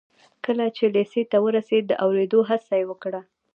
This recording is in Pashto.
کله چې لېسې ته ورسېد د اورېدو هڅه یې وکړه